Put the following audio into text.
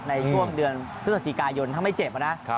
ในช่วงเดือนพฤศจิกายนถ้าไม่เจ็บนะ